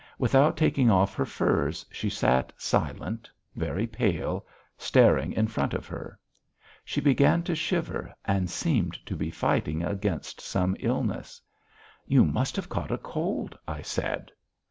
Without taking off her furs, she sat silent, very pale, staring in front of her. She began to shiver and seemed to be fighting against some illness. "You must have caught a cold," I said.